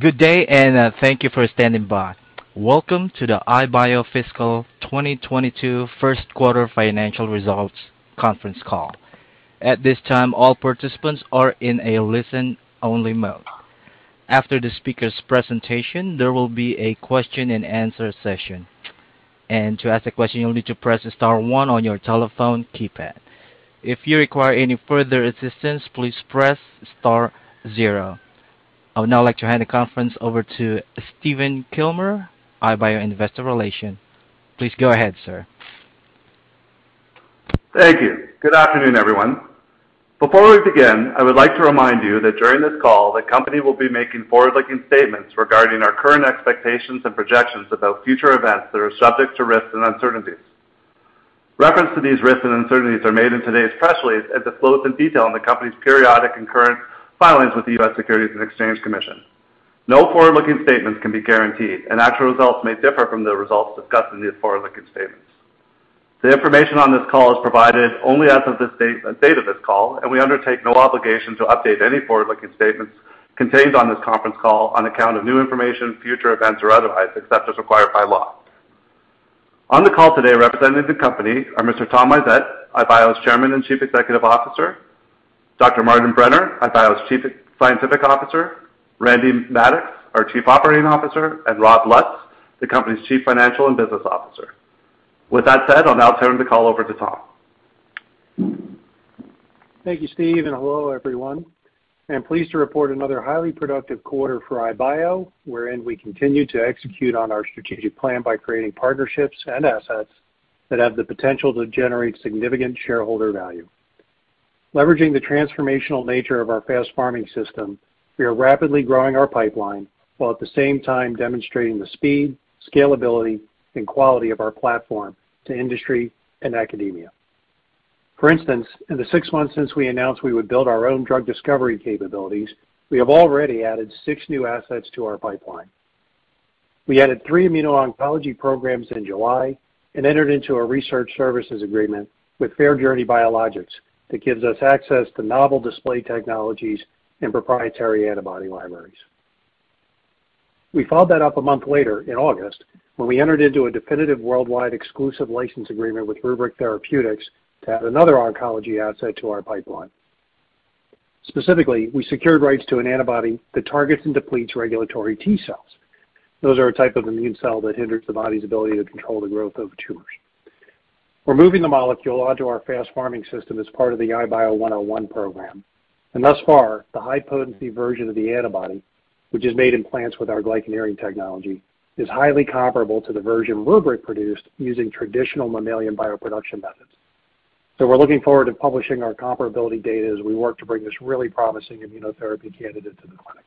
Good day and, thank you for standing by. Welcome to the iBio Fiscal 2022 First Quarter Financial Results Conference Call. At this time, all participants are in a listen-only mode. After the speaker's presentation, there will be a question and answer session. To ask a question, you'll need to press star one on your telephone keypad. If you require any further assistance, please press star zero. I would now like to hand the conference over to Stephen Kilmer, iBio Investor Relations. Please go ahead, sir. Thank you. Good afternoon, everyone. Before we begin, I would like to remind you that during this call, the company will be making forward-looking statements regarding our current expectations and projections about future events that are subject to risks and uncertainties. Reference to these risks and uncertainties are made in today's press release as it is filed in detail in the company's periodic and current filings with the U.S. Securities and Exchange Commission. No forward-looking statements can be guaranteed, and actual results may differ from the results discussed in these forward-looking statements. The information on this call is provided only as of the date of this call, and we undertake no obligation to update any forward-looking statements contained on this conference call on account of new information, future events, or otherwise, except as required by law. On the call today, representing the company are Mr. Tom Isett, iBio's Chairman and Chief Executive Officer, Dr. Martin Brenner, iBio's Chief Scientific Officer, Randy Maddux, our Chief Operating Officer, and Robert Lutz, the company's Chief Financial and Business Officer. With that said, I'll now turn the call over to Tom. Thank you, Stephen, and hello, everyone. I'm pleased to report another highly productive quarter for iBio, wherein we continue to execute on our strategic plan by creating partnerships and assets that have the potential to generate significant shareholder value. Leveraging the transformational nature of our FastFarming system, we are rapidly growing our pipeline, while at the same time demonstrating the speed, scalability, and quality of our platform to industry and academia. For instance, in the six months since we announced we would build our own drug discovery capabilities, we have already added six new assets to our pipeline. We added three immuno-oncology programs in July and entered into a research services agreement with FairJourney Biologics that gives us access to novel display technologies and proprietary antibody libraries. We followed that up a month later in August, when we entered into a definitive worldwide exclusive license agreement with RubrYc Therapeutics to add another oncology asset to our pipeline. Specifically, we secured rights to an antibody that targets and depletes regulatory T-cells. Those are a type of immune cell that hinders the body's ability to control the growth of tumors. We're moving the molecule onto our FastFarming system as part of the IBIO-101 program, and thus far, the high-potency version of the antibody, which is made in plants with our glycan engineering technology, is highly comparable to the version RubrYc produced using traditional mammalian bioproduction methods. We're looking forward to publishing our comparability data as we work to bring this really promising immunotherapy candidate to the clinic.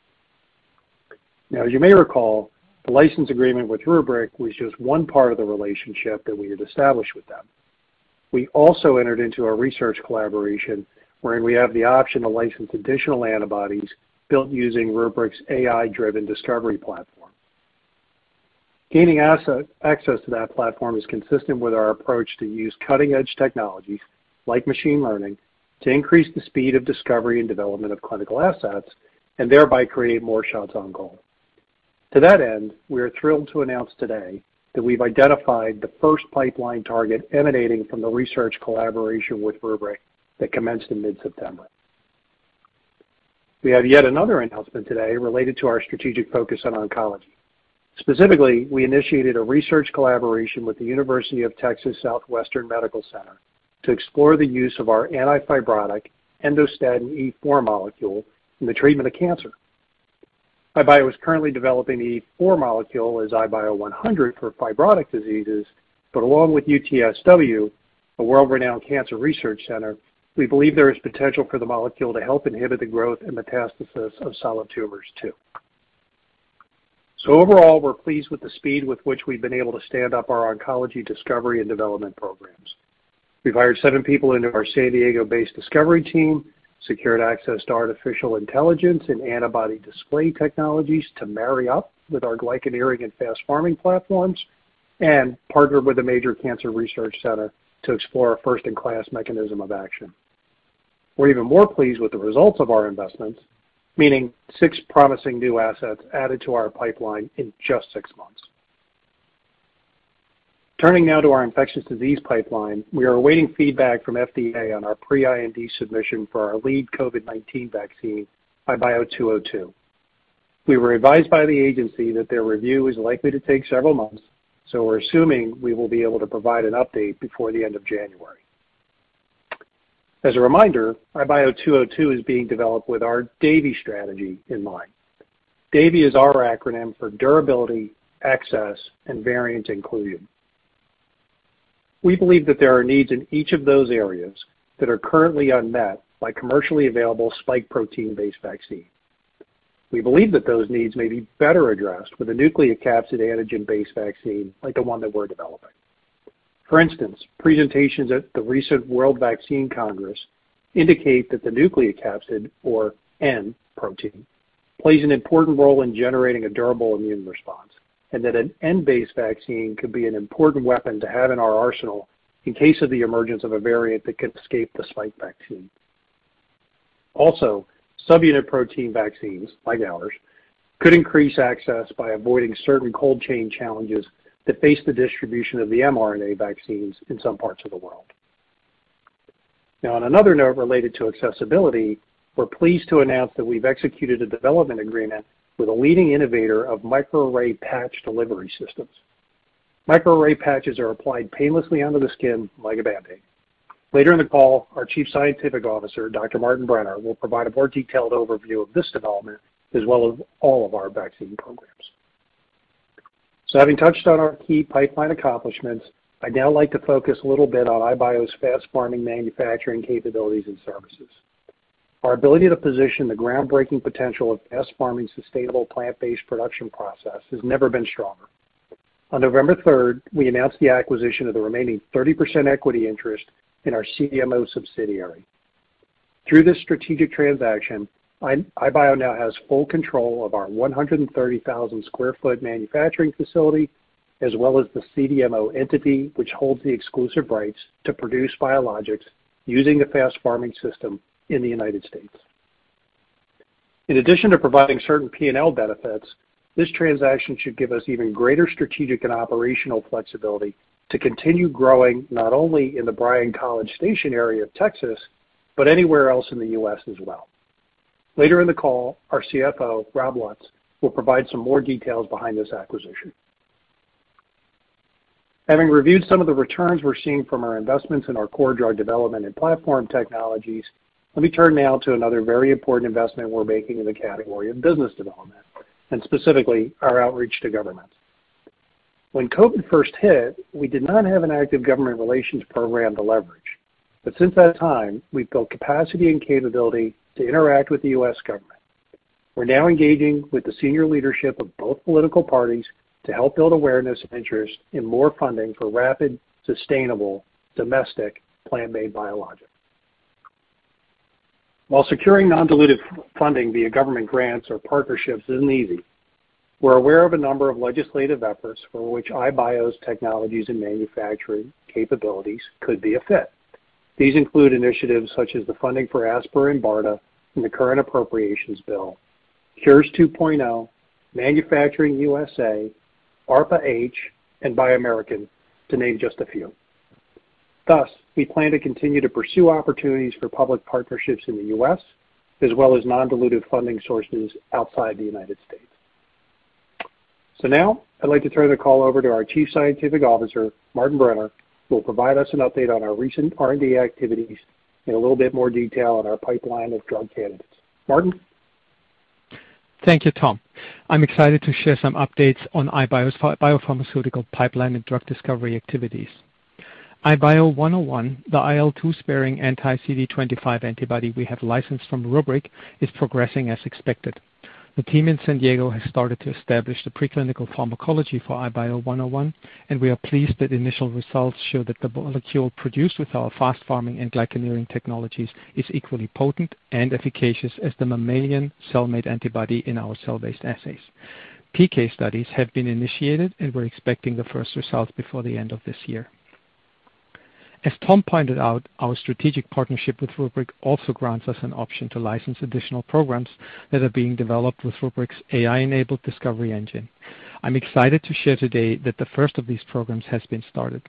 Now, as you may recall, the license agreement with RubrYc was just one part of the relationship that we had established with them. We also entered into a research collaboration wherein we have the option to license additional antibodies built using RubrYc's AI-driven discovery platform. Gaining access to that platform is consistent with our approach to use cutting-edge technologies, like machine learning, to increase the speed of discovery and development of clinical assets and thereby create more shots on goal. To that end, we are thrilled to announce today that we've identified the first pipeline target emanating from the research collaboration with RubrYc that commenced in mid-September. We have yet another announcement today related to our strategic focus on oncology. Specifically, we initiated a research collaboration with the University of Texas Southwestern Medical Center to explore the use of our anti-fibrotic endostatin E4 molecule in the treatment of cancer. iBio is currently developing the E4 molecule as IBIO-100 for fibrotic diseases, but along with UT Southwestern, a world-renowned cancer research center, we believe there is potential for the molecule to help inhibit the growth and metastasis of solid tumors too. Overall, we're pleased with the speed with which we've been able to stand up our oncology discovery and development programs. We've hired seven people into our San Diego-based discovery team, secured access to artificial intelligence and antibody display technologies to marry up with our glycan engineering and FastFarming platforms, and partnered with a major cancer research center to explore a first-in-class mechanism of action. We're even more pleased with the results of our investments, meaning six promising new assets added to our pipeline in just six months. Turning now to our infectious disease pipeline, we are awaiting feedback from FDA on our pre-IND submission for our lead COVID-19 vaccine, IBIO-202. We were advised by the agency that their review is likely to take several months, so we're assuming we will be able to provide an update before the end of January. As a reminder, IBIO-202 is being developed with our DAVI strategy in mind. DAVI is our acronym for Durability, Access, and Variant Included. We believe that there are needs in each of those areas that are currently unmet by commercially available spike protein-based vaccines. We believe that those needs may be better addressed with a nucleocapsid antigen-based vaccine like the one that we're developing. For instance, presentations at the recent World Vaccine Congress indicate that the nucleocapsid, or N protein, plays an important role in generating a durable immune response and that an N-based vaccine could be an important weapon to have in our arsenal in case of the emergence of a variant that could escape the spike vaccine. Also, subunit protein vaccines like ours could increase access by avoiding certain cold chain challenges that face the distribution of the mRNA vaccines in some parts of the world. Now, on another note related to accessibility, we're pleased to announce that we've executed a development agreement with a leading innovator of microarray patch delivery systems. Microarray patches are applied painlessly onto the skin like a Band-Aid. Later in the call, our Chief Scientific Officer, Dr. Martin Brenner, will provide a more detailed overview of this development as well as all of our vaccine programs. Having touched on our key pipeline accomplishments, I'd now like to focus a little bit on iBio's FastFarming manufacturing capabilities and services. Our ability to position the groundbreaking potential of FastFarming's sustainable plant-based production process has never been stronger. On November 3rd, we announced the acquisition of the remaining 30% equity interest in our CDMO subsidiary. Through this strategic transaction, iBio now has full control of our 130,000 sq ft manufacturing facility, as well as the CDMO entity, which holds the exclusive rights to produce biologics using the FastFarming system in the United States. In addition to providing certain P&L benefits, this transaction should give us even greater strategic and operational flexibility to continue growing, not only in the Bryan-College Station area of Texas, but anywhere else in the U.S. as well. Later in the call, our CFO, Rob Lutz, will provide some more details behind this acquisition. Having reviewed some of the returns we're seeing from our investments in our core drug development and platform technologies, let me turn now to another very important investment we're making in the category of business development, and specifically our outreach to government. When COVID first hit, we did not have an active government relations program to leverage. Since that time, we've built capacity and capability to interact with the U.S. government. We're now engaging with the senior leadership of both political parties to help build awareness and interest in more funding for rapid, sustainable domestic plant-made biologics. While securing non-dilutive funding via government grants or partnerships isn't easy, we're aware of a number of legislative efforts for which iBio's technologies and manufacturing capabilities could be a fit. These include initiatives such as the funding for ASPR and BARDA in the current appropriations bill, Cures 2.0, Manufacturing USA, ARPA-H, and Buy American, to name just a few. Thus, we plan to continue to pursue opportunities for public partnerships in the U.S., as well as non-dilutive funding sources outside the United States. Now I'd like to turn the call over to our Chief Scientific Officer, Martin Brenner, who will provide us an update on our recent R&D activities and a little bit more detail on our pipeline of drug candidates. Martin. Thank you, Tom. I'm excited to share some updates on iBio's biopharmaceutical pipeline and drug discovery activities. IBIO-101, the IL-2 sparing anti-CD25 antibody we have licensed from RubrYc, is progressing as expected. The team in San Diego has started to establish the preclinical pharmacology for IBIO-101, and we are pleased that initial results show that the molecule produced with our FastFarming and glycoengineering technologies is equally potent and efficacious as the mammalian cell-made antibody in our cell-based assays. PK studies have been initiated, and we're expecting the first results before the end of this year. As Tom pointed out, our strategic partnership with RubrYc also grants us an option to license additional programs that are being developed with RubrYc's AI-enabled discovery engine. I'm excited to share today that the first of these programs has been started.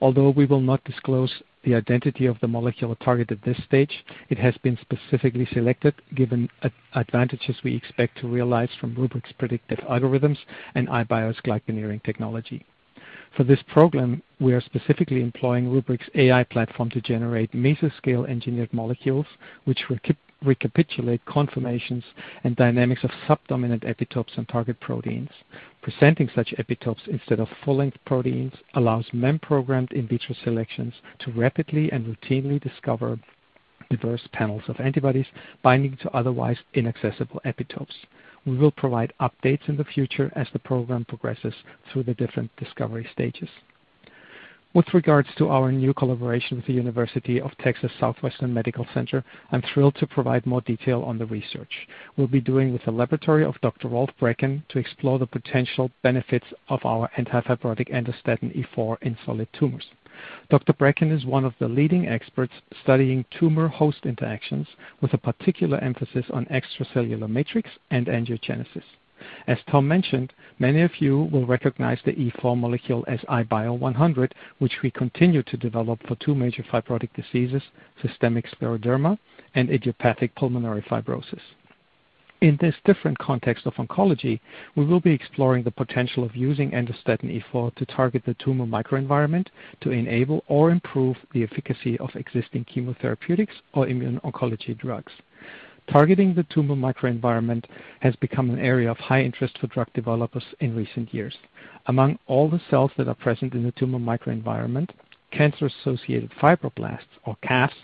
Although we will not disclose the identity of the molecular target at this stage, it has been specifically selected given advantages we expect to realize from RubrYc's predictive algorithms and iBio's glycoengineering technology. For this program, we are specifically employing RubrYc's AI platform to generate mesoscale engineered molecules, which recapitulate conformations and dynamics of subdominant epitopes and target proteins. Presenting such epitopes instead of full-length proteins allows MEM programmed in vitro selections to rapidly and routinely discover diverse panels of antibodies binding to otherwise inaccessible epitopes. We will provide updates in the future as the program progresses through the different discovery stages. With regards to our new collaboration with the University of Texas Southwestern Medical Center, I'm thrilled to provide more detail on the research we'll be doing with the laboratory of Dr. Rolf Brekken to explore the potential benefits of our antifibrotic endostatin E4 in solid tumors. Dr. Brekken is one of the leading experts studying tumor host interactions with a particular emphasis on extracellular matrix and angiogenesis. As Tom mentioned, many of you will recognize the E4 molecule as IBIO-100, which we continue to develop for two major fibrotic diseases, systemic scleroderma and idiopathic pulmonary fibrosis. In this different context of oncology, we will be exploring the potential of using endostatin E4 to target the tumor microenvironment to enable or improve the efficacy of existing chemotherapeutics or immuno-oncology drugs. Targeting the tumor microenvironment has become an area of high interest for drug developers in recent years. Among all the cells that are present in the tumor microenvironment, cancer-associated fibroblasts, or CAFs,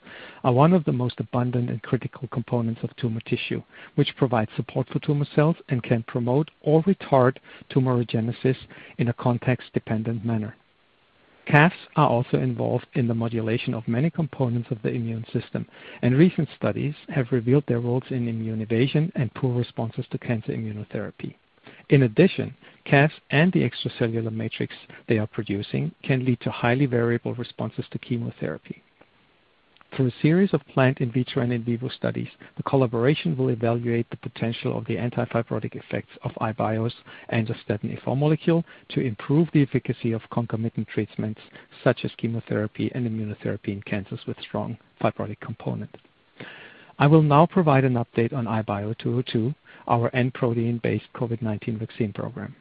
are one of the most abundant and critical components of tumor tissue, which provide support for tumor cells and can promote or retard tumorigenesis in a context-dependent manner. CAFs are also involved in the modulation of many components of the immune system, and recent studies have revealed their roles in immune evasion and poor responses to cancer immunotherapy. In addition, CAF and the extracellular matrix they are producing can lead to highly variable responses to chemotherapy. Through a series of plant in vitro and in vivo studies, the collaboration will evaluate the potential of the anti-fibrotic effects of iBio's endostatin E4 molecule to improve the efficacy of concomitant treatments such as chemotherapy and immunotherapy in cancers with strong fibrotic component. I will now provide an update on IBIO-202, our N protein-based COVID-19 vaccine program.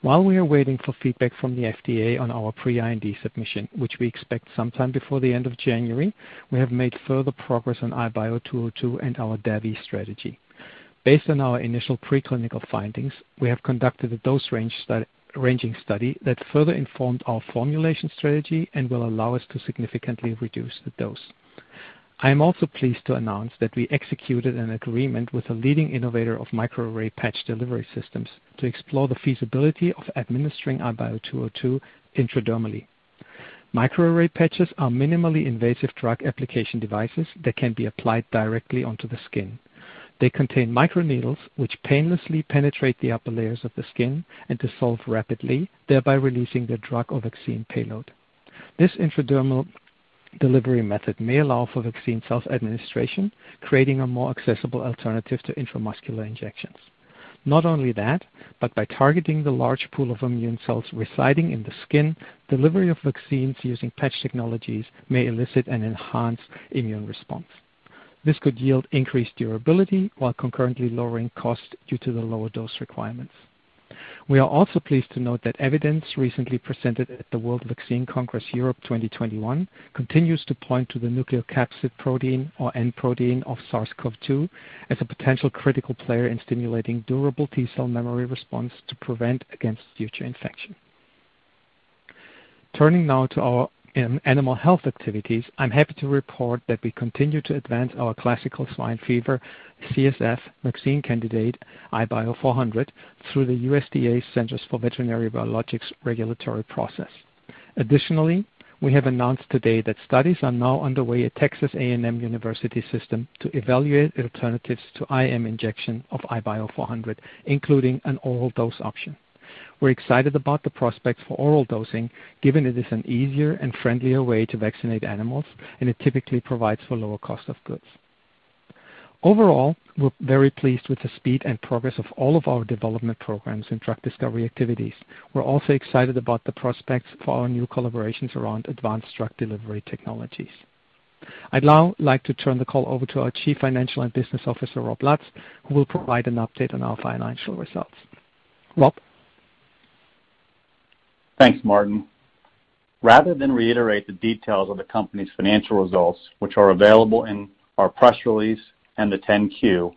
While we are waiting for feedback from the FDA on our pre-IND submission, which we expect sometime before the end of January, we have made further progress on IBIO-202 and our DAVI strategy. Based on our initial preclinical findings, we have conducted a dose-ranging study that further informed our formulation strategy and will allow us to significantly reduce the dose. I am also pleased to announce that we executed an agreement with a leading innovator of microarray patch delivery systems to explore the feasibility of administering IBIO-202 intradermally. Microarray patches are minimally invasive drug application devices that can be applied directly onto the skin. They contain microneedles, which painlessly penetrate the upper layers of the skin and dissolve rapidly, thereby releasing the drug or vaccine payload. This intradermal delivery method may allow for vaccine self-administration, creating a more accessible alternative to intramuscular injections. Not only that, but by targeting the large pool of immune cells residing in the skin, delivery of vaccines using patch technologies may elicit an enhanced immune response. This could yield increased durability while concurrently lowering costs due to the lower dose requirements. We are also pleased to note that evidence recently presented at the World Vaccine Congress Europe 2021 continues to point to the nucleocapsid protein or N protein of SARS-CoV-2 as a potential critical player in stimulating durable T-cell memory response to prevent against future infection. Turning now to our animal health activities, I'm happy to report that we continue to advance our classical swine fever, CSF vaccine candidate, IBIO-400, through the USDA Center for Veterinary Biologics regulatory process. Additionally, we have announced today that studies are now underway at Texas A&M University System to evaluate alternatives to IM injection of IBIO-400, including an oral dose option. We're excited about the prospects for oral dosing, given it is an easier and friendlier way to vaccinate animals, and it typically provides for lower cost of goods. Overall, we're very pleased with the speed and progress of all of our development programs and drug discovery activities. We're also excited about the prospects for our new collaborations around advanced drug delivery technologies. I'd now like to turn the call over to our Chief Financial and Business Officer, Rob Lotz, who will provide an update on our financial results. Rob? Thanks, Martin. Rather than reiterate the details of the company's financial results, which are available in our press release and the 10-Q,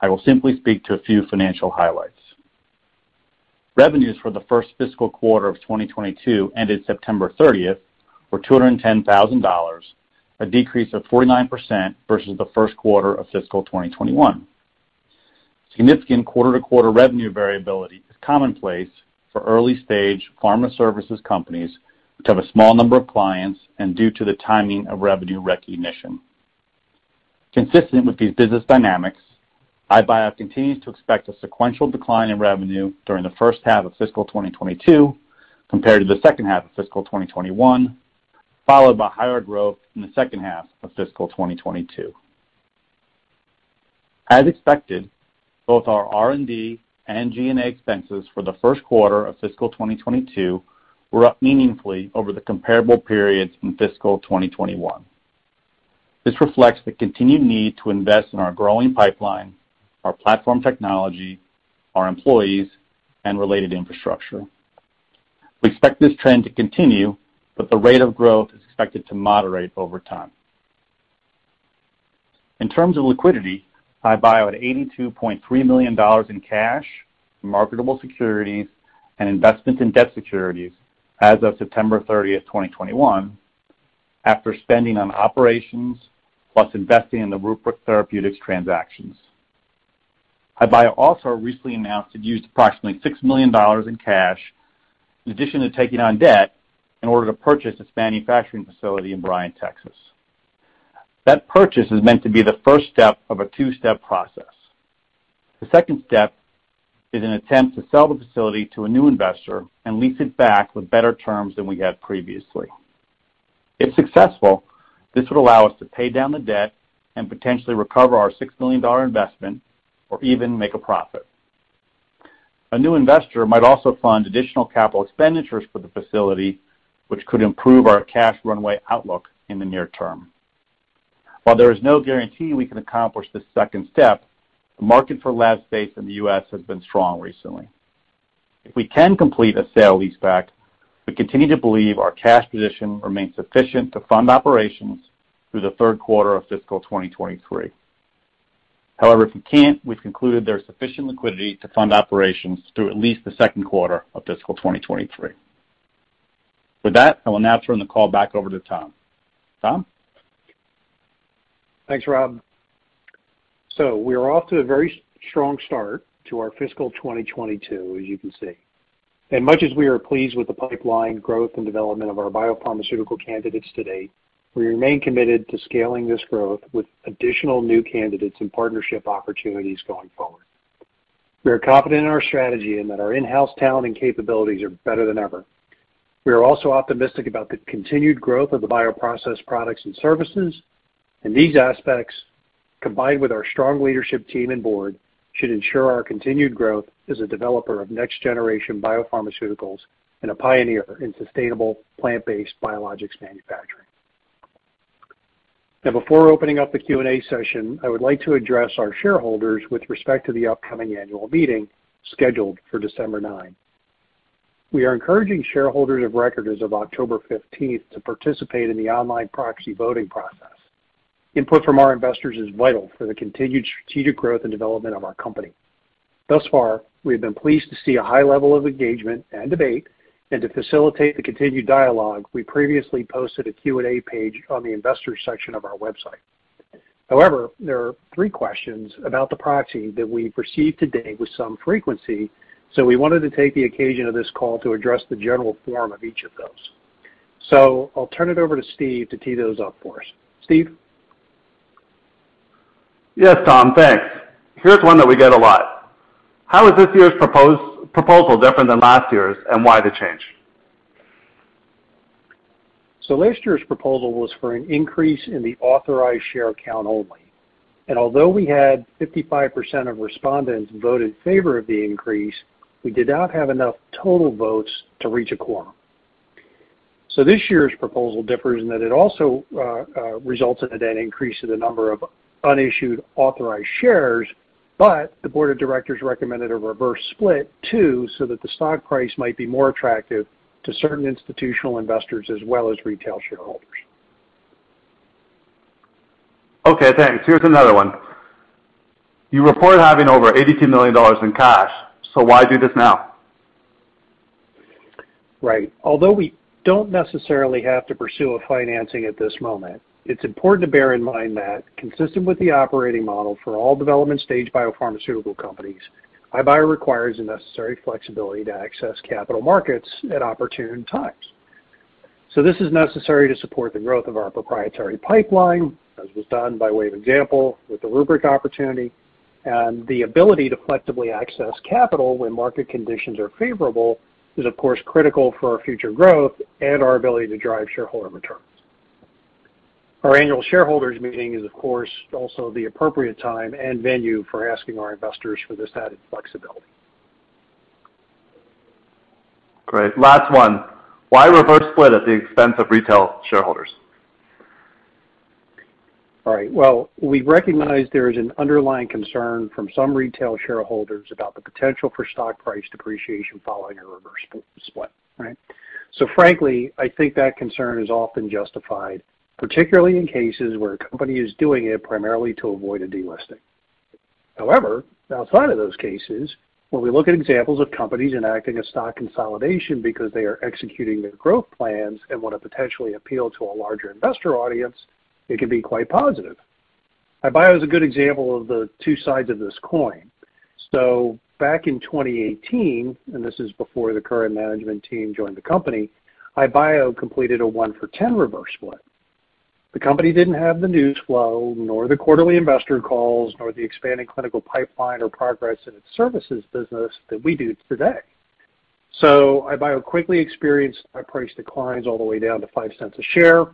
I will simply speak to a few financial highlights. Revenues for the first fiscal quarter of 2022, ended September 30th, were $210,000, a decrease of 49% versus the first quarter of fiscal 2021. Significant quarter-to-quarter revenue variability is commonplace for early-stage pharma services companies which have a small number of clients and due to the timing of revenue recognition. Consistent with these business dynamics, iBio continues to expect a sequential decline in revenue during the first half of fiscal 2022 compared to the second half of fiscal 2021, followed by higher growth in the second half of fiscal 2022. As expected, both our R&D and G&A expenses for the first quarter of fiscal 2022 were up meaningfully over the comparable periods in fiscal 2021. This reflects the continued need to invest in our growing pipeline, our platform technology, our employees, and related infrastructure. We expect this trend to continue, but the rate of growth is expected to moderate over time. In terms of liquidity, iBio had $82.3 million in cash, marketable securities, and investments in debt securities as of September 30th, 2021, after spending on operations plus investing in the RubrYc Therapeutics transactions. iBio also recently announced it used approximately $6 million in cash in addition to taking on debt in order to purchase its manufacturing facility in Bryan, Texas. That purchase is meant to be the first step of a two-step process. The second step is an attempt to sell the facility to a new investor and lease it back with better terms than we had previously. If successful, this would allow us to pay down the debt and potentially recover our $6 million investment or even make a profit. A new investor might also fund additional capital expenditures for the facility, which could improve our cash runway outlook in the near term. While there is no guarantee we can accomplish this second step, the market for lab space in the U.S. has been strong recently. If we can complete a sale leaseback, we continue to believe our cash position remains sufficient to fund operations through the third quarter of fiscal 2023. However, if we can't, we've concluded there's sufficient liquidity to fund operations through at least the second quarter of fiscal 2023. With that, I will now turn the call back over to Tom. Tom? Thanks, Rob. We are off to a very strong start to our fiscal 2022, as you can see. Much as we are pleased with the pipeline growth and development of our biopharmaceutical candidates to date, we remain committed to scaling this growth with additional new candidates and partnership opportunities going forward. We are confident in our strategy and that our in-house talent and capabilities are better than ever. We are also optimistic about the continued growth of the bioprocess products and services. These aspects, combined with our strong leadership team and board, should ensure our continued growth as a developer of next generation biopharmaceuticals and a pioneer in sustainable plant-based biologics manufacturing. Now, before opening up the Q&A session, I would like to address our shareholders with respect to the upcoming annual meeting scheduled for December 9. We are encouraging shareholders of record as of October 15th, to participate in the online proxy voting process. Input from our investors is vital for the continued strategic growth and development of our company. Thus far, we have been pleased to see a high level of engagement and debate. To facilitate the continued dialogue, we previously posted a Q&A page on the investor section of our website. However, there are three questions about the proxy that we've received today with some frequency, so we wanted to take the occasion of this call to address the general form of each of those. I'll turn it over to Steve to tee those up for us. Steve? Yes, Tom. Thanks. Here's one that we get a lot. How is this year's proposal different than last year's, and why the change? Last year's proposal was for an increase in the authorized share count only. Although we had 55% of respondents vote in favor of the increase, we did not have enough total votes to reach a quorum. This year's proposal differs in that it also results in a net increase in the number of unissued authorized shares, but the board of directors recommended a reverse split too, so that the stock price might be more attractive to certain institutional investors as well as retail shareholders. Okay, thanks. Here's another one. You report having over $82 million in cash, so why do this now? Right. Although we don't necessarily have to pursue a financing at this moment, it's important to bear in mind that consistent with the operating model for all development stage biopharmaceutical companies, iBio requires the necessary flexibility to access capital markets at opportune times. This is necessary to support the growth of our proprietary pipeline, as was done by way of example with the RubrYc opportunity. The ability to flexibly access capital when market conditions are favorable is of course critical for our future growth and our ability to drive shareholder returns. Our annual shareholders meeting is of course also the appropriate time and venue for asking our investors for this added flexibility. Great. Last one. Why reverse split at the expense of retail shareholders? All right. Well, we recognize there is an underlying concern from some retail shareholders about the potential for stock price depreciation following a reverse split, right? Frankly, I think that concern is often justified, particularly in cases where a company is doing it primarily to avoid a delisting. However, outside of those cases, when we look at examples of companies enacting a stock consolidation because they are executing their growth plans and want to potentially appeal to a larger investor audience, it can be quite positive. iBio is a good example of the two sides of this coin. Back in 2018, and this is before the current management team joined the company, iBio completed a 1-for-10 reverse split. The company didn't have the news flow, nor the quarterly investor calls, nor the expanding clinical pipeline or progress in its services business that we do today. iBio quickly experienced price declines all the way down to $0.05 a share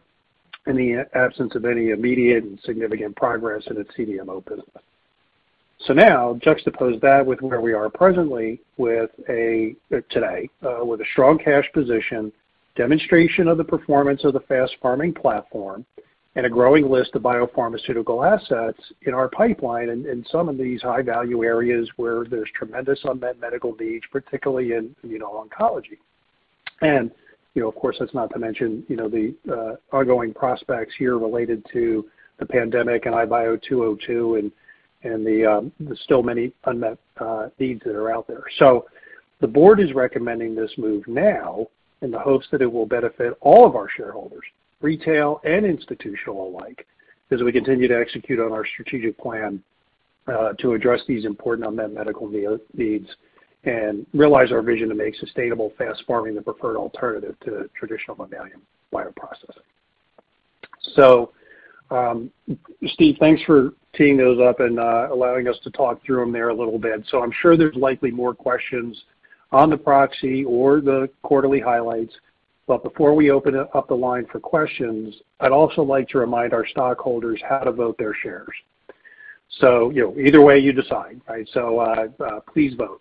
in the absence of any immediate and significant progress in its CDMO. Now juxtapose that with where we are today with a strong cash position, demonstration of the performance of the FastFarming platform, and a growing list of biopharmaceutical assets in our pipeline in some of these high value areas where there's tremendous unmet medical needs, particularly in immuno-oncology. You know, of course, that's not to mention, you know, the ongoing prospects here related to the pandemic and IBIO-202 and the still many unmet needs that are out there. The board is recommending this move now in the hopes that it will benefit all of our shareholders, retail and institutional alike, as we continue to execute on our strategic plan to address these important unmet medical needs and realize our vision to make sustainable FastFarming the preferred alternative to traditional mammalian bioprocessing. Stephen, thanks for teeing those up and allowing us to talk through them there a little bit. I'm sure there's likely more questions on the proxy or the quarterly highlights. Before we open up the line for questions, I'd also like to remind our stockholders how to vote their shares. You know, either way, you decide. Please vote.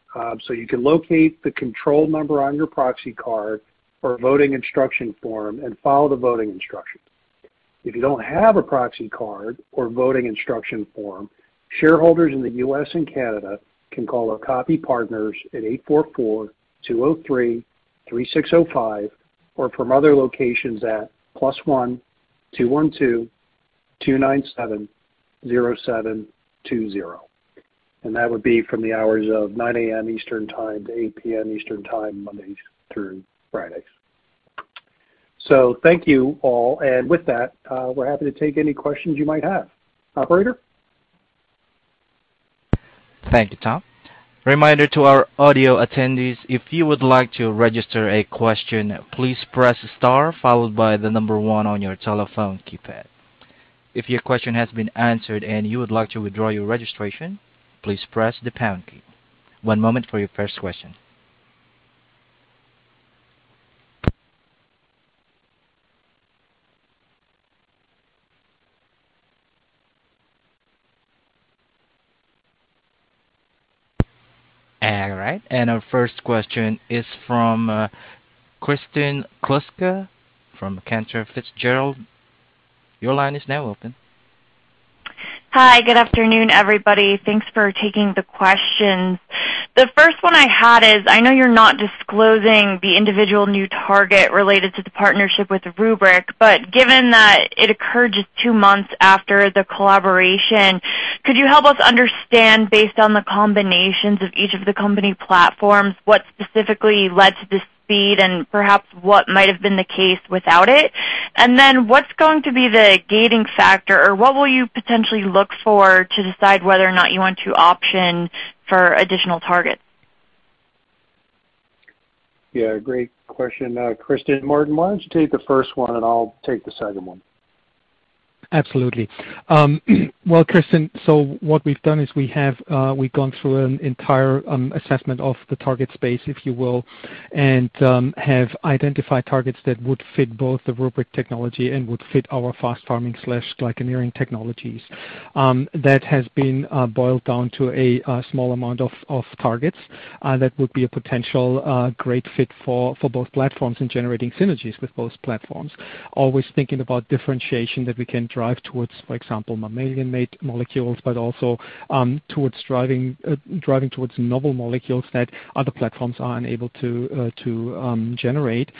You can locate the control number on your proxy card or voting instruction form and follow the voting instructions. If you don't have a proxy card or voting instruction form, shareholders in the U.S. and Canada can call our proxy partners at 844-203-3605, or from other locations at +1-212-297-0720. That would be from the hours of 9 A.M. Eastern Time to 8 P.M. Eastern Time, Monday through Friday. Thank you all. With that, we're happy to take any questions you might have. Operator? Thank you, Tom. Reminder to our audio attendees, if you would like to register a question, please press star followed by 1 on your telephone keypad. If your question has been answered and you would like to withdraw your registration, please press the pound key. One moment for your first question. All right. Our first question is from Kristen Kluska from Cantor Fitzgerald. Your line is now open. Hi. Good afternoon, everybody. Thanks for taking the questions. The first one I had is, I know you're not disclosing the individual new target related to the partnership with RubrYc, but given that it occurred just two months after the collaboration, could you help us understand, based on the combinations of each of the company platforms, what specifically led to the speed and perhaps what might have been the case without it? And then what's going to be the gating factor or what will you potentially look for to decide whether or not you want to option for additional targets? Yeah, great question, Kristen. Martin, why don't you take the first one and I'll take the second one. Absolutely. Well, Kristen, what we've done is we've gone through an entire assessment of the target space, if you will, and have identified targets that would fit both the RubrYc technology and would fit our FastFarming/glycoengineering technologies. That has been boiled down to a small amount of targets that would be a potential great fit for both platforms in generating synergies with both platforms. Always thinking about differentiation that we can drive towards, for example, mammalian-made molecules, but also towards driving towards novel molecules that other platforms are unable to generate.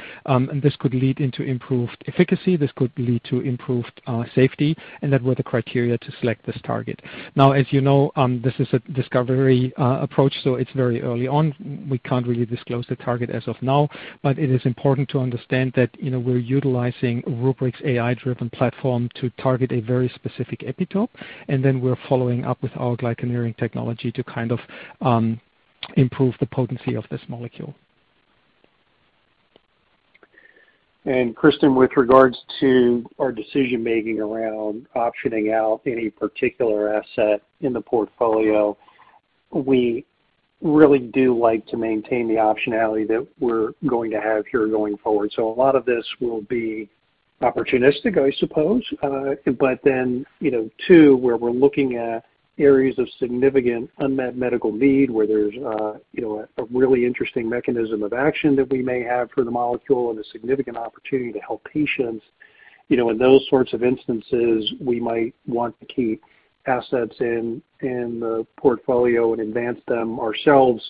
This could lead into improved efficacy, this could lead to improved safety, and that were the criteria to select this target. Now, as you know, this is a discovery approach, so it's very early on. We can't really disclose the target as of now. It is important to understand that, you know, we're utilizing RubrYc's AI-driven platform to target a very specific epitope, and then we're following up with our glycoengineering technology to kind of improve the potency of this molecule. Kristen, with regards to our decision-making around optioning out any particular asset in the portfolio, we really do like to maintain the optionality that we're going to have here going forward. A lot of this will be opportunistic, I suppose. But then, too, you know, where we're looking at areas of significant unmet medical need, where there's, you know, a really interesting mechanism of action that we may have for the molecule and a significant opportunity to help patients. You know, in those sorts of instances, we might want to keep assets in the portfolio and advance them ourselves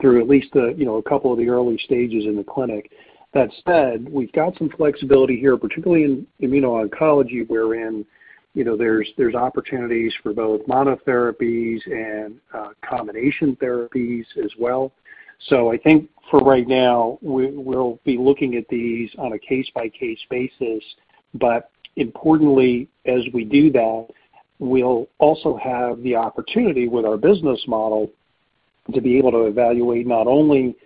through at least a, you know, a couple of the early stages in the clinic. That said, we've got some flexibility here, particularly in immuno-oncology, wherein, you know, there's opportunities for both monotherapies and combination therapies as well. I think for right now, we'll be looking at these on a case-by-case basis. Importantly, as we do that, we'll also have the opportunity with our business model to be able to evaluate not only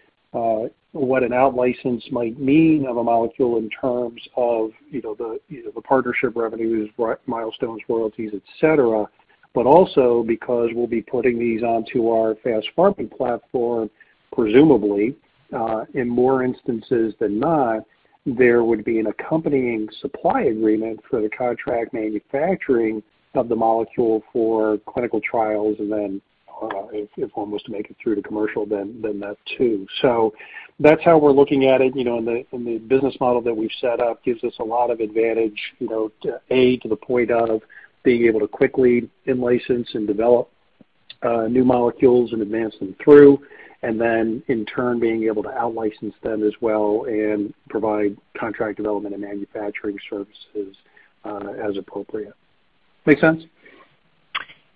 what an outlicense might mean of a molecule in terms of, you know, the partnership revenues, milestones, royalties, et cetera. Also because we'll be putting these onto our FastFarming platform, presumably in more instances than not, there would be an accompanying supply agreement for the contract manufacturing of the molecule for clinical trials. Then if one was to make it through to commercial then that too. That's how we're looking at it. You know, the business model that we've set up gives us a lot of advantage, you know, to the point of being able to quickly in-license and develop new molecules and advance them through, and then in turn, being able to outlicense them as well and provide contract development and manufacturing services as appropriate. Make sense?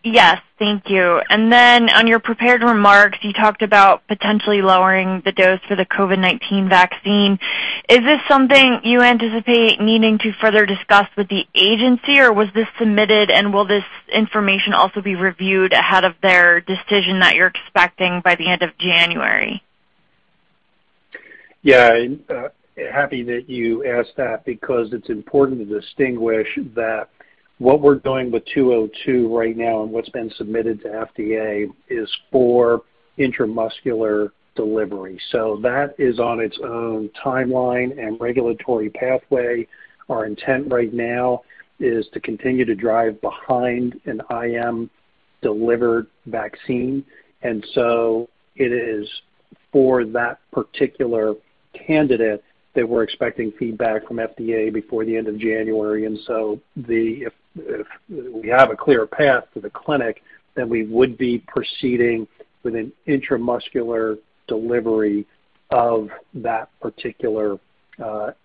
Yes, thank you. On your prepared remarks, you talked about potentially lowering the dose for the COVID-19 vaccine. Is this something you anticipate needing to further discuss with the agency, or was this submitted and will this information also be reviewed ahead of their decision that you're expecting by the end of January? Yeah, happy that you asked that because it's important to distinguish that what we're doing with 202 right now and what's been submitted to FDA is for intramuscular delivery. That is on its own timeline and regulatory pathway. Our intent right now is to continue to drive behind an IM delivered vaccine, and so it is for that particular candidate that we're expecting feedback from FDA before the end of January. If we have a clear path to the clinic, then we would be proceeding with an intramuscular delivery of that particular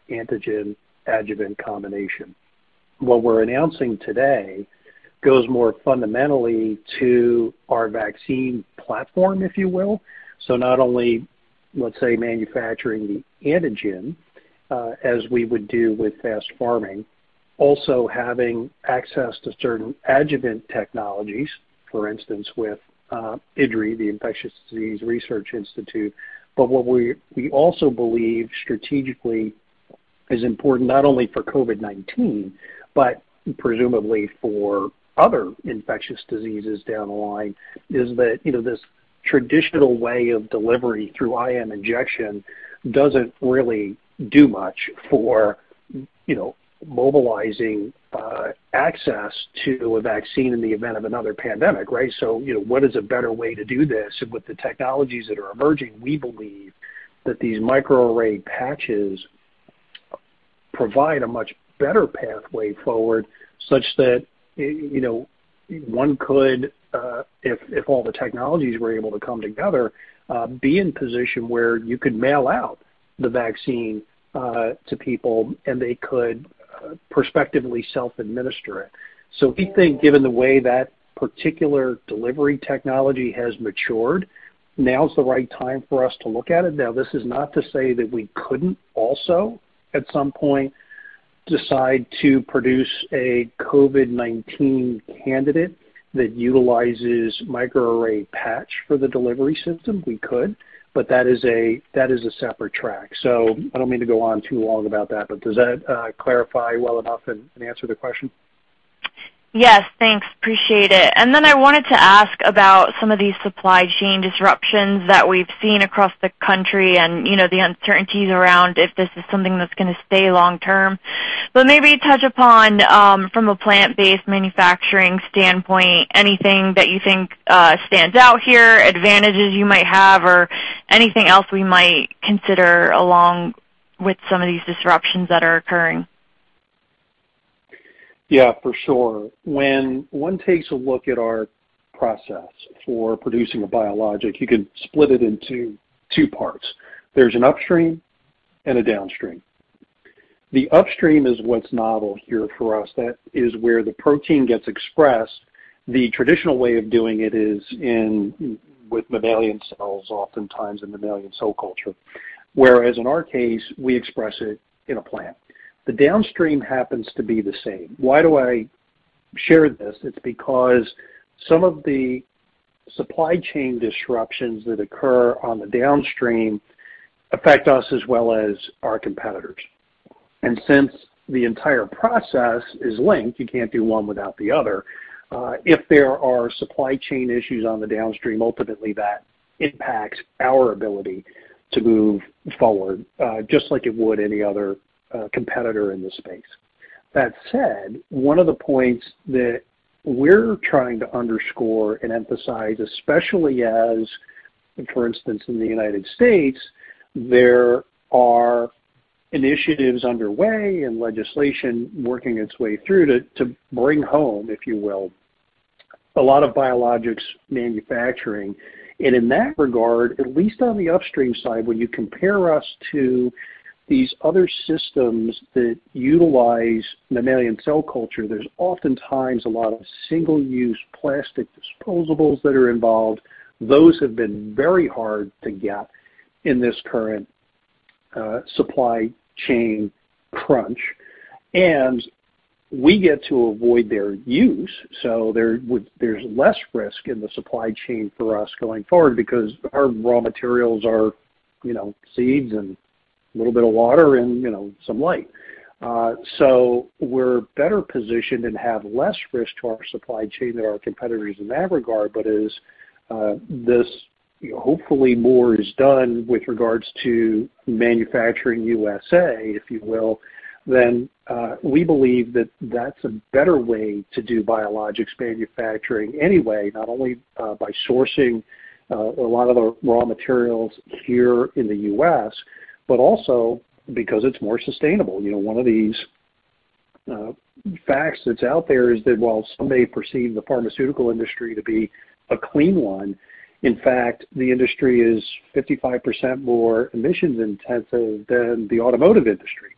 antigen adjuvant combination. What we're announcing today goes more fundamentally to our vaccine platform, if you will. Let's say manufacturing the antigen, as we would do with fast farming, also having access to certain adjuvant technologies, for instance, with IDRI, the Infectious Disease Research Institute. What we also believe strategically is important not only for COVID-19, but presumably for other infectious diseases down the line, is that, you know, this traditional way of delivery through IM injection doesn't really do much for, you know, mobilizing access to a vaccine in the event of another pandemic, right? You know, what is a better way to do this? With the technologies that are emerging, we believe that these microarray patches provide a much better pathway forward such that, you know, one could, if all the technologies were able to come together, be in position where you could mail out the vaccine to people and they could prospectively self-administer it. We think given the way that particular delivery technology has matured, now is the right time for us to look at it. Now, this is not to say that we couldn't also, at some point, decide to produce a COVID-19 candidate that utilizes microarray patch for the delivery system. We could, but that is a separate track. I don't mean to go on too long about that, but does that clarify well enough and answer the question? Yes, thanks. Appreciate it. I wanted to ask about some of these supply chain disruptions that we've seen across the country and, you know, the uncertainties around if this is something that's gonna stay long term. Maybe touch upon, from a plant-based manufacturing standpoint, anything that you think, stands out here, advantages you might have or anything else we might consider along with some of these disruptions that are occurring. Yeah, for sure. When one takes a look at our process for producing a biologic, you can split it into two parts. There's an upstream and a downstream. The upstream is what's novel here for us. That is where the protein gets expressed. The traditional way of doing it is with mammalian cells, oftentimes in mammalian cell culture. Whereas in our case, we express it in a plant. The downstream happens to be the same. Why do I share this? It's because some of the supply chain disruptions that occur on the downstream affect us as well as our competitors. Since the entire process is linked, you can't do one without the other. If there are supply chain issues on the downstream, ultimately that impacts our ability to move forward, just like it would any other competitor in this space. That said, one of the points that we're trying to underscore and emphasize, especially as, for instance, in the United States, there are initiatives underway and legislation working its way through to bring home, if you will, a lot of biologics manufacturing. In that regard, at least on the upstream side, when you compare us to these other systems that utilize mammalian cell culture, there's oftentimes a lot of single-use plastic disposables that are involved. Those have been very hard to get in this current supply chain crunch. We get to avoid their use, so there's less risk in the supply chain for us going forward because our raw materials are, you know, seeds and a little bit of water and, you know, some light. We're better positioned and have less risk to our supply chain than our competitors in that regard. As this, you know, hopefully more is done with regards to Manufacturing USA, if you will, then we believe that that's a better way to do biologics manufacturing anyway, not only by sourcing a lot of the raw materials here in the U.S., but also because it's more sustainable. You know, one of these facts that's out there is that while some may perceive the pharmaceutical industry to be a clean one, in fact, the industry is 55% more emissions intensive than the automotive industry.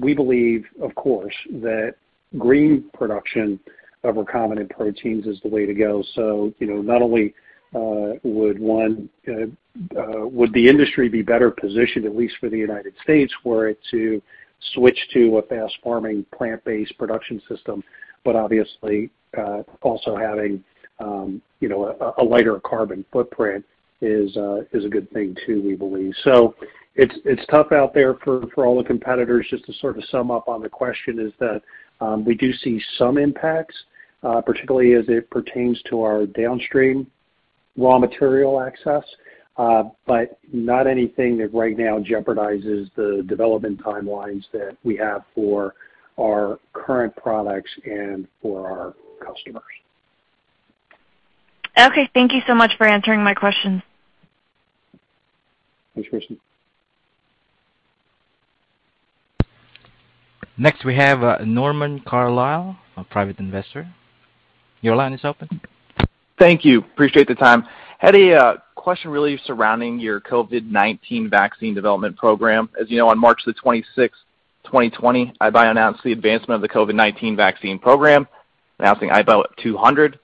We believe, of course, that green production of recombinant proteins is the way to go. You know, not only would the industry be better positioned, at least for the United States, were it to switch to a FastFarming plant-based production system, but obviously also having a lighter carbon footprint is a good thing too, we believe. It's tough out there for all the competitors. Just to sort of sum up on the question is that, we do see some impacts, particularly as it pertains to our downstream raw material access. Not anything that right now jeopardizes the development timelines that we have for our current products and for our customers. Okay. Thank you so much for answering my questions. Thanks, Kristen. Next, we have, Norman Carlisle, a private investor. Your line is open. Thank you. Appreciate the time. Had a question really surrounding your COVID-19 vaccine development program. As you know, on March 26, 2020, iBio announced the advancement of the COVID-19 vaccine program. Announcing IBIO-200.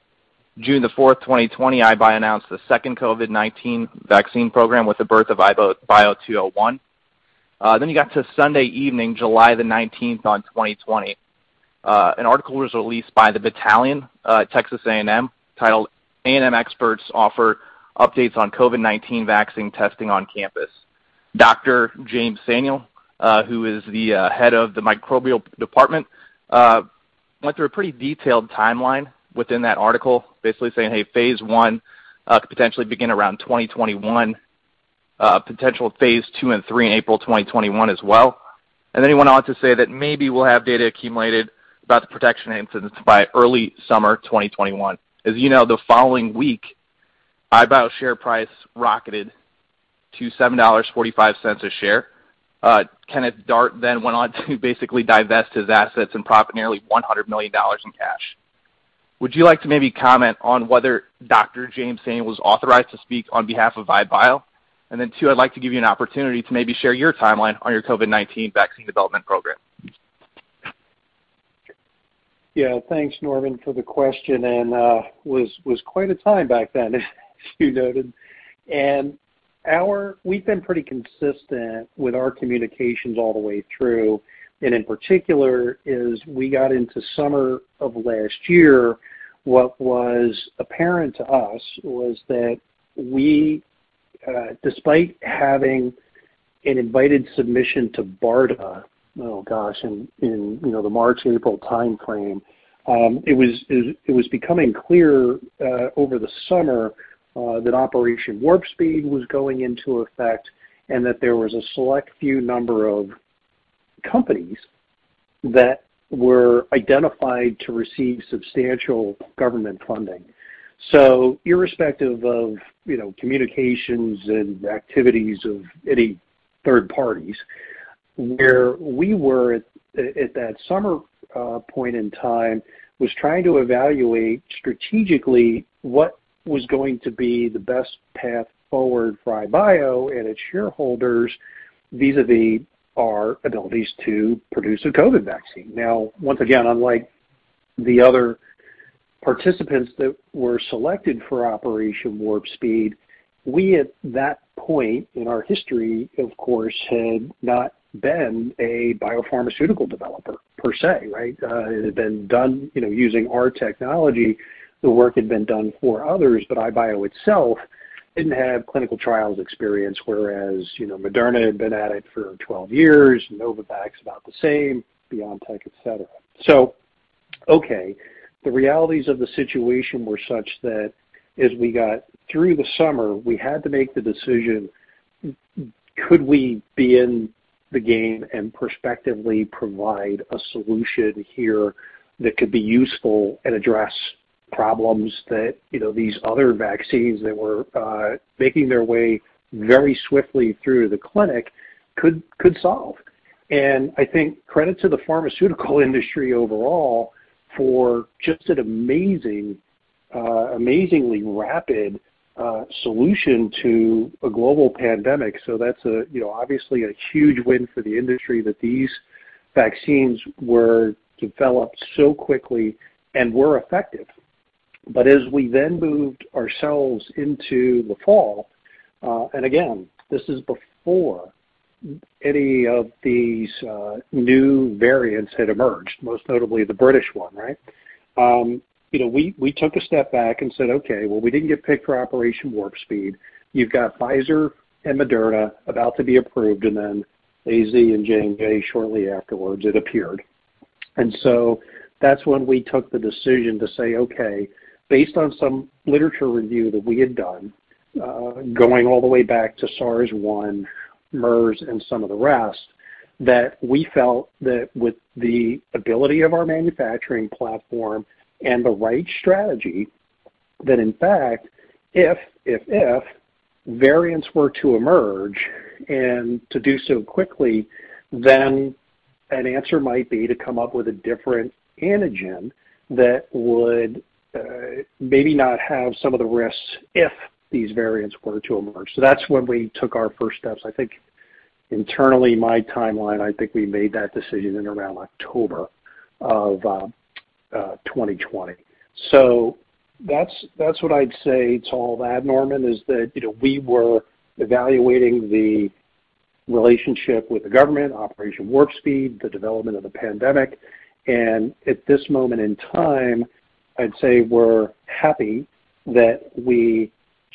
June 4th, 2020, iBio announced the second COVID-19 vaccine program with IBIO-201. Then you got to Sunday evening, July 19th, 2020. An article was released by The Battalion, Texas A&M, titled A&M Experts Offer Updates on COVID-19 Vaccine Testing on Campus. Dr. James Samuel, who is the head of the microbial department, went through a pretty detailed timeline within that article, basically saying, "Hey, phase I could potentially begin around 2021. potential phase II and III in April 2021 as well." He went on to say that maybe we'll have data accumulated about the protection incidence by early summer 2021. As you know, the following week, iBio share price rocketed to $7.45 a share. Kenneth Dart then went on to basically divest his assets and profit nearly $100 million in cash. Would you like to maybe comment on whether Dr. James Samuel was authorized to speak on behalf of iBio? Two, I'd like to give you an opportunity to maybe share your timeline on your COVID-19 vaccine development program. Yeah. Thanks, Norman, for the question. It was quite a time back then as you noted. We've been pretty consistent with our communications all the way through, and in particular as we got into summer of last year, what was apparent to us was that we, despite having an invited submission to BARDA, oh gosh, in you know the March-April timeframe, it was becoming clear over the summer that Operation Warp Speed was going into effect and that there was a select few number of companies that were identified to receive substantial government funding. Irrespective of, you know, communications and activities of any third parties, where we were at that summer point in time, was trying to evaluate strategically what was going to be the best path forward for iBio and its shareholders vis-a-vis our abilities to produce a COVID vaccine. Now, once again, unlike the other participants that were selected for Operation Warp Speed, we at that point in our history, of course, had not been a biopharmaceutical developer per se, right? It had been done, you know, using our technology. The work had been done for others, but iBio itself didn't have clinical trials experience, whereas, you know, Moderna had been at it for 12 years, Novavax about the same, BioNTech, et cetera. Okay. The realities of the situation were such that as we got through the summer, we had to make the decision, could we be in the game and prospectively provide a solution here that could be useful and address problems that, you know, these other vaccines that were making their way very swiftly through the clinic could solve. I think credit to the pharmaceutical industry overall for just an amazing, amazingly rapid solution to a global pandemic. That's a, you know, obviously a huge win for the industry that these vaccines were developed so quickly and were effective. As we then moved ourselves into the fall, and again, this is before any of these new variants had emerged, most notably the British one, right? You know, we took a step back and said, "Okay, well, we didn't get picked for Operation Warp Speed." You've got Pfizer and Moderna about to be approved, and then AZ and J&J shortly afterwards, it appeared. That's when we took the decision to say, okay, based on some literature review that we had done, going all the way back to SARS-1, MERS, and some of the rest, that we felt that with the ability of our manufacturing platform and the right strategy, that in fact, if variants were to emerge and to do so quickly, then an answer might be to come up with a different antigen that would maybe not have some of the risks if these variants were to emerge. That's when we took our first steps. I think internally, my timeline, I think we made that decision in around October of 2020. That's what I'd say to all that, Norman, is that, you know, we were evaluating the relationship with the government, Operation Warp Speed, the development of the pandemic, and at this moment in time, I'd say we're happy that we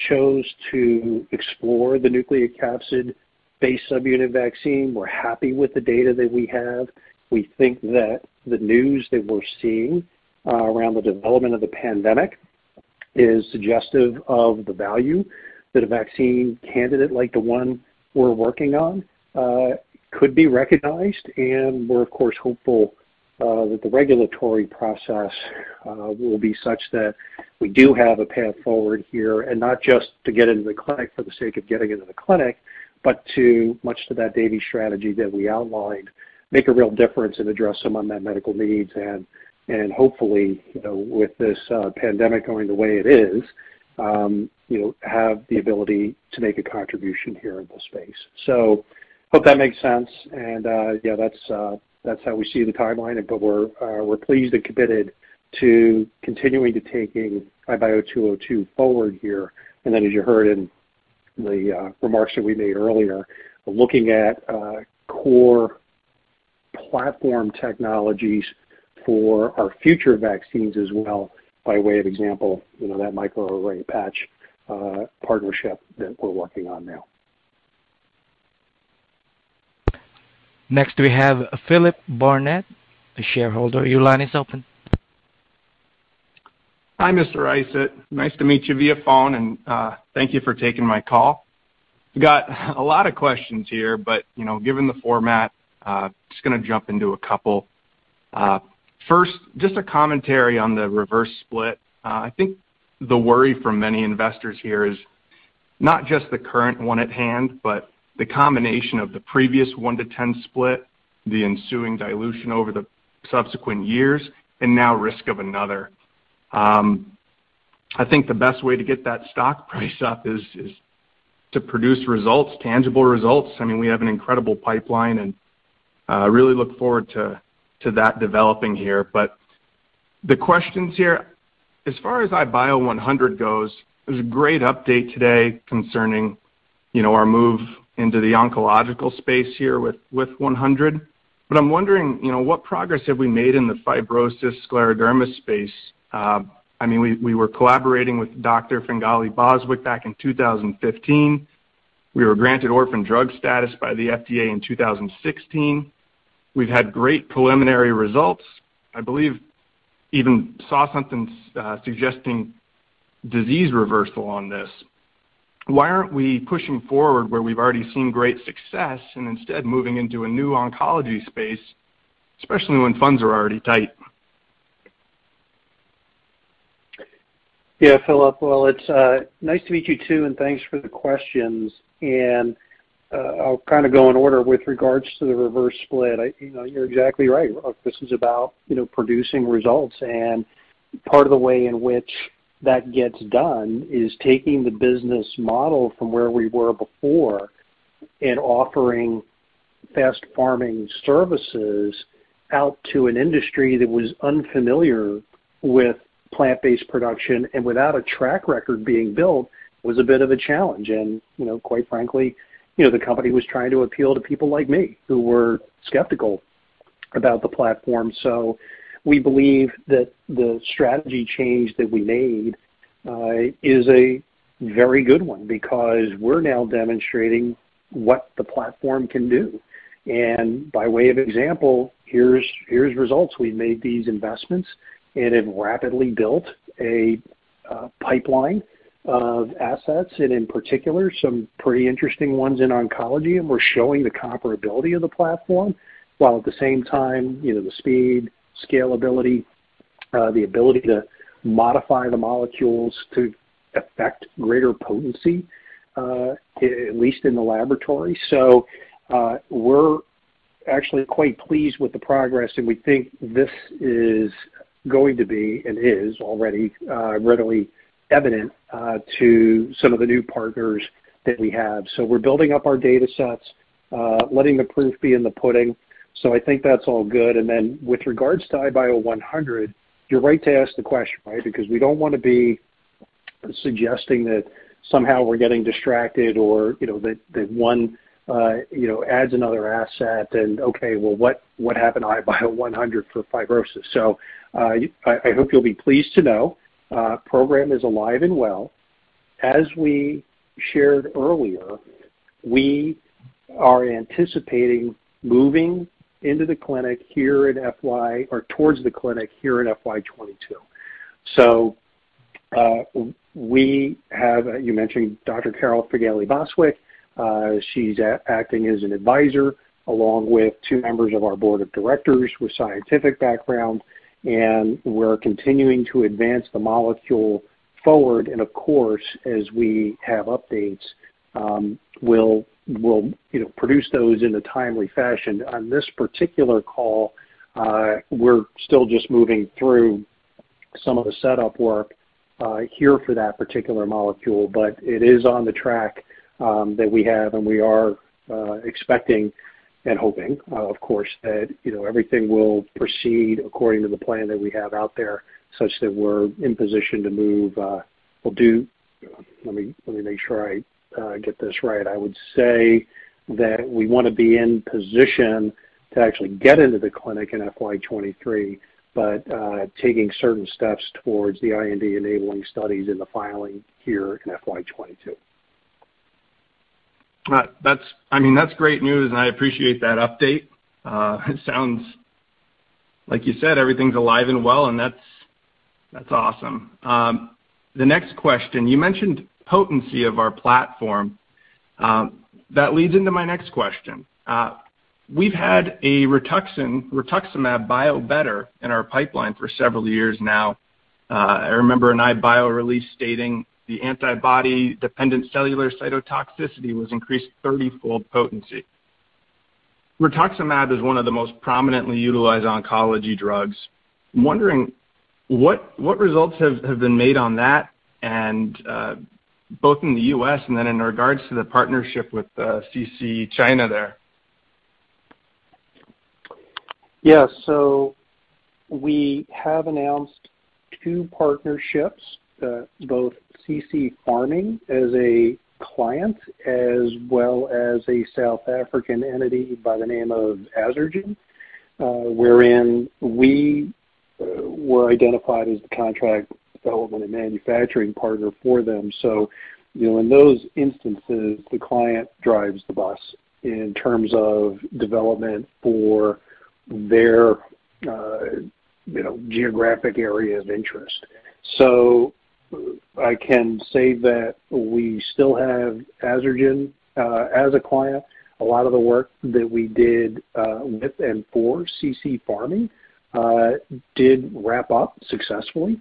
chose to explore the nucleocapsid-based subunit vaccine. We're happy with the data that we have. We think that the news that we're seeing around the development of the pandemic is suggestive of the value that a vaccine candidate like the one we're working on could be recognized. We're of course hopeful that the regulatory process will be such that we do have a path forward here and not just to get into the clinic for the sake of getting into the clinic, but to, much to that DAVI strategy that we outlined, make a real difference and address some unmet medical needs. Hopefully, you know, with this pandemic going the way it is, you know, have the ability to make a contribution here in this space. Hope that makes sense. That's how we see the timeline. We're pleased and committed to continuing to taking IBIO-202 forward here. As you heard in the remarks that we made earlier, looking at core platform technologies for our future vaccines as well. By way of example, you know, that microarray patch partnership that we're working on now. Next, we have Philip Barnett, a shareholder. Your line is open. Hi, Mr. Isett. Nice to meet you via phone, and thank you for taking my call. Got a lot of questions here, but you know, given the format, just gonna jump into a couple. First, just a commentary on the reverse split. I think the worry for many investors here is not just the current one at hand, but the combination of the previous 1-to-10 split, the ensuing dilution over the subsequent years, and now risk of another. I think the best way to get that stock price up is to produce results, tangible results. I mean, we have an incredible pipeline, and I really look forward to that developing here. The questions here, as far as IBIO-100 goes, it was a great update today concerning you know, our move into the oncological space here with IBIO-100. I'm wondering, you know, what progress have we made in the fibrosis scleroderma space? I mean, we were collaborating with Dr. Carol Feghali-Bostwick back in 2015. We were granted orphan drug status by the FDA in 2016. We've had great preliminary results, I believe even saw something suggesting disease reversal on this. Why aren't we pushing forward where we've already seen great success and instead moving into a new oncology space, especially when funds are already tight? Yeah, Philip. Well, it's nice to meet you too, and thanks for the questions. I'll kind of go in order. With regards to the reverse split, you know, you're exactly right. Look, this is about, you know, producing results. Part of the way in which that gets done is taking the business model from where we were before and offering fast farming services out to an industry that was unfamiliar with plant-based production. Without a track record being built was a bit of a challenge. You know, quite frankly, you know, the company was trying to appeal to people like me who were skeptical about the platform. We believe that the strategy change that we made is a very good one because we're now demonstrating what the platform can do. By way of example, here's results. We've made these investments and have rapidly built a pipeline of assets and in particular, some pretty interesting ones in oncology. We're showing the comparability of the platform while at the same time, you know, the speed, scalability, the ability to modify the molecules to affect greater potency, at least in the laboratory. We're actually quite pleased with the progress, and we think this is going to be and is already readily evident to some of the new partners that we have. We're building up our datasets, letting the proof be in the pudding. I think that's all good. Then with regards to IBIO-100, you're right to ask the question, right? Because we don't wanna be suggesting that somehow we're getting distracted or, you know, that one adds another asset, and okay, well, what happened to iBio 100 for fibrosis? I hope you'll be pleased to know the program is alive and well. As we shared earlier, we are anticipating moving into the clinic here or towards the clinic here in FY 2022. We have, you mentioned Dr. Carol Feghali-Bostwick. She's acting as an advisor along with two members of our board of directors with scientific background. We're continuing to advance the molecule forward. Of course, as we have updates, we'll, you know, produce those in a timely fashion. On this particular call, we're still just moving through some of the setup work here for that particular molecule. It is on the track that we have, and we are expecting and hoping, of course, that, you know, everything will proceed according to the plan that we have out there, such that we're in position to move. Let me make sure I get this right. I would say that we wanna be in position to actually get into the clinic in FY 2023, but taking certain steps towards the IND enabling studies in the filing here in FY 2022. I mean, that's great news, and I appreciate that update. It sounds like you said everything's alive and well, and that's awesome. The next question, you mentioned potency of our platform. That leads into my next question. We've had a Rituxan, Rituximab biobetter in our pipeline for several years now. I remember an iBio release stating the antibody-dependent cellular cytotoxicity was increased 30-fold potency. Rituximab is one of the most prominently utilized oncology drugs. I'm wondering what results have been made on that and both in the U.S. and then in regards to the partnership with CC-Pharming there? Yes. We have announced two partnerships, both CC-Pharming as a client as well as a South African entity by the name of AzarGen, wherein we were identified as the contract development and manufacturing partner for them. You know, in those instances, the client drives the bus in terms of development for their, you know, geographic area of interest. I can say that we still have AzarGen as a client. A lot of the work that we did with and for CC-Pharming did wrap up successfully.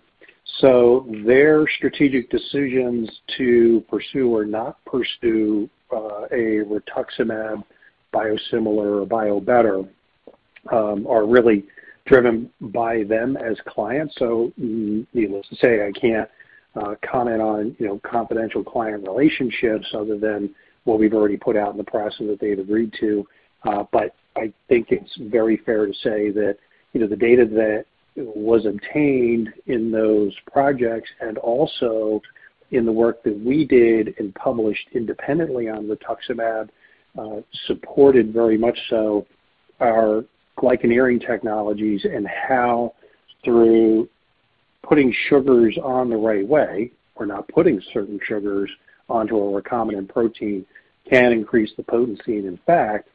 Their strategic decisions to pursue or not pursue a rituximab biosimilar or biobetter are really driven by them as clients. Needless to say, I can't comment on, you know, confidential client relationships other than what we've already put out in the process that they've agreed to. I think it's very fair to say that, you know, the data that was obtained in those projects and also in the work that we did and published independently on Rituximab, supported very much so our glycan engineering technologies and how through putting sugars on the right way or not putting certain sugars onto a recombinant protein can increase the potency. In fact,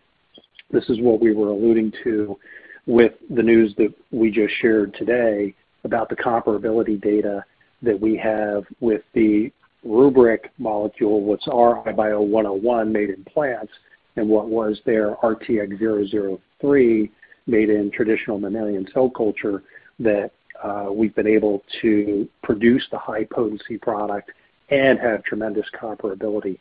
this is what we were alluding to with the news that we just shared today about the comparability data that we have with the RubrYc molecule, what's our IBIO-101 made in plants, and what was their RTX-003 made in traditional mammalian cell culture, that we've been able to produce the high potency product and have tremendous comparability.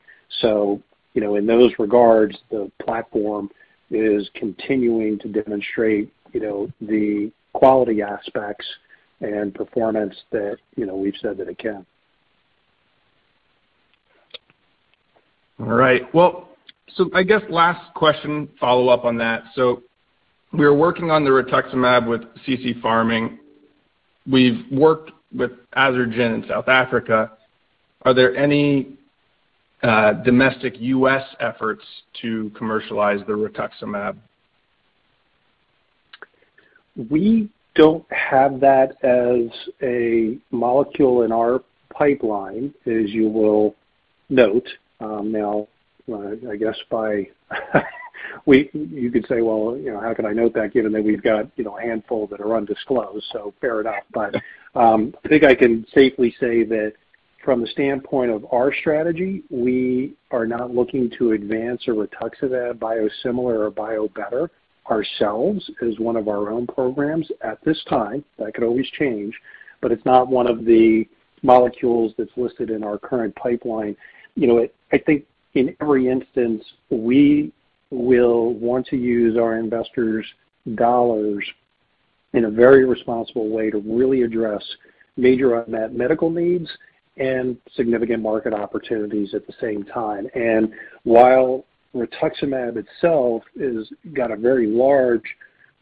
You know, in those regards, the platform is continuing to demonstrate, you know, the quality aspects and performance that, you know, we've said that it can. All right. Well, I guess last question, follow up on that. We are working on the Rituximab with CC-Pharming. We've worked with AzarGen in South Africa. Are there any domestic U.S. efforts to commercialize the Rituximab? We don't have that as a molecule in our pipeline, as you will note. You could say, well, you know, how can I note that given that we've got, you know, a handful that are undisclosed? Fair enough. I think I can safely say that from the standpoint of our strategy, we are not looking to advance a Rituximab biosimilar or biobetter ourselves as one of our own programs at this time. That could always change, but it's not one of the molecules that's listed in our current pipeline. You know, I think in every instance, we will want to use our investors' dollars in a very responsible way to really address major unmet medical needs and significant market opportunities at the same time. While Rituximab itself is got a very large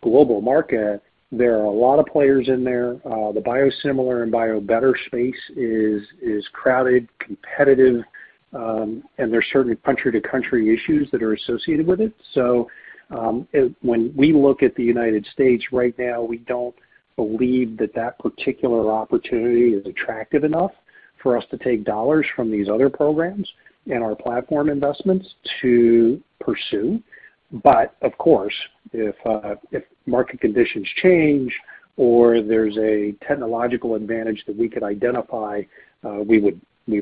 global market, there are a lot of players in there. The biosimilar and biobetter space is crowded, competitive, and there's certain country to country issues that are associated with it. When we look at the United States right now, we don't believe that that particular opportunity is attractive enough for us to take dollars from these other programs and our platform investments to pursue. Of course, if market conditions change or there's a technological advantage that we could identify, we would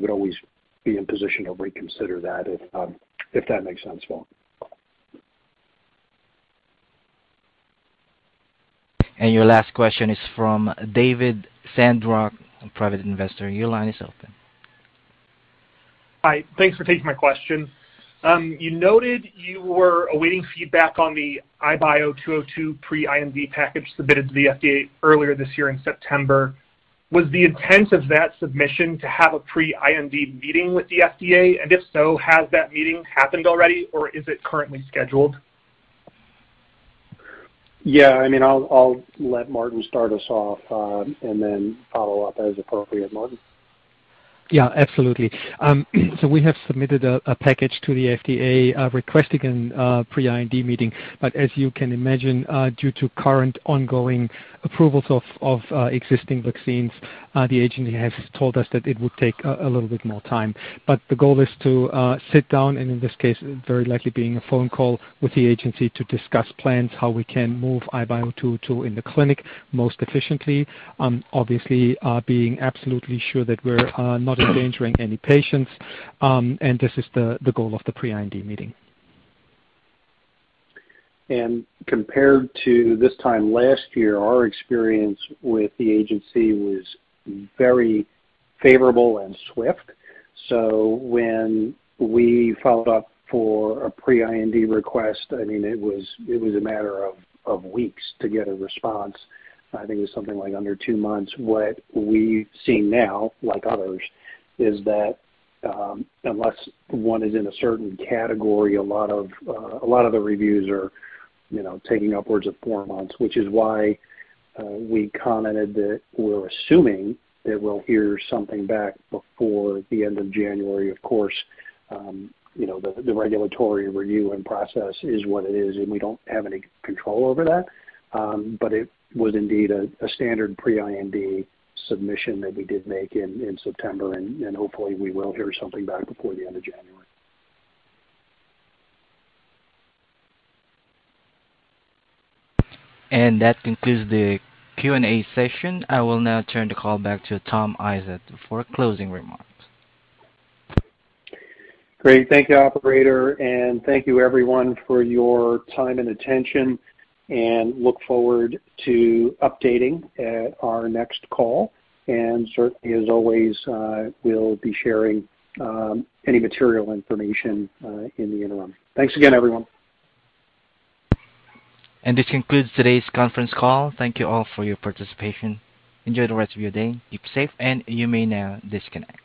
always be in position to reconsider that, if that makes sense, Martin. Your last question is from David Sandrock, a private investor. Your line is open. Hi. Thanks for taking my question. You noted you were awaiting feedback on the IBIO-202 pre-IND package submitted to the FDA earlier this year in September. Was the intent of that submission to have a pre-IND meeting with the FDA? If so, has that meeting happened already or is it currently scheduled? Yeah, I mean, I'll let Martin start us off, and then follow up as appropriate. Martin. Yeah, absolutely. So we have submitted a package to the FDA requesting a pre-IND meeting. As you can imagine, due to current ongoing approvals of existing vaccines, the agency has told us that it would take a little bit more time. The goal is to sit down, and in this case, very likely being a phone call with the agency to discuss plans, how we can move IBIO-202 in the clinic most efficiently. Obviously, being absolutely sure that we're not endangering any patients. This is the goal of the pre-IND meeting. Compared to this time last year, our experience with the agency was very favorable and swift. When we followed up for a pre-IND request, I mean, it was a matter of weeks to get a response. I think it was something like under two months. What we've seen now, like others, is that unless one is in a certain category, a lot of the reviews are, you know, taking upwards of four months, which is why we commented that we're assuming that we'll hear something back before the end of January. Of course, you know, the regulatory review and process is what it is, and we don't have any control over that. It was indeed a standard pre-IND submission that we did make in September, and hopefully, we will hear something back before the end of January. That concludes the Q&A session. I will now turn the call back to Tom Isett for closing remarks. Great. Thank you, operator. Thank you everyone for your time and attention, and we look forward to updating at our next call. Certainly, as always, we'll be sharing any material information in the interim. Thanks again, everyone. This concludes today's conference call. Thank you all for your participation. Enjoy the rest of your day. Keep safe, and you may now disconnect.